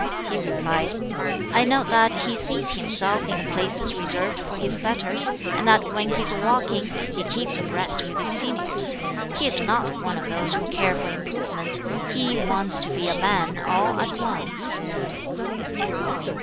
He replied, "I note that he seats himself in the places reserved for his betters, and that when he is walking he keeps abreast with his seniors. He is not one of those who care for improvement: he wants to be a man all at once."